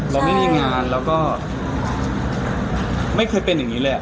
เราไม่มีงานแล้วก็ไม่เคยเป็นอย่างนี้เลย